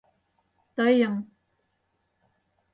Тыйым